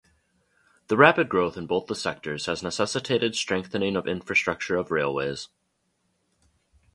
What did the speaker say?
The rapid growth in both the sectors has necessitated strengthening of infrastructure of Railways.